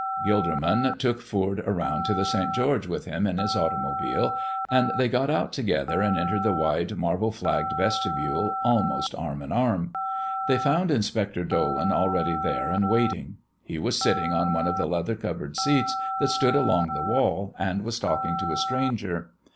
Gilderman took Foord around to the St. George with him in his automobile, and they got out together and entered the wide, marble flagged vestibule almost arm in arm. They found Inspector Dolan already there and waiting. He was sitting on one of the leather covered seats that stood along the wall and was talking to a stranger.